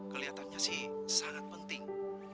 keliatannya sih sangat penting